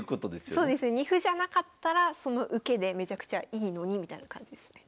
そうですね。二歩じゃなかったらその受けでめちゃくちゃいいのにみたいな感じですね。